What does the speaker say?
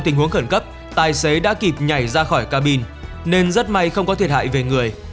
tình huống khẩn cấp tài xế đã kịp nhảy ra khỏi cabin nên rất may không có thiệt hại về người